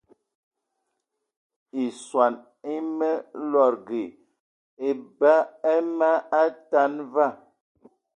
I swan ame lòdgì eba eme atan va